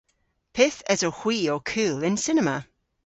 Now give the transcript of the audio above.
Pyth esowgh hwi ow kul y'n cinema?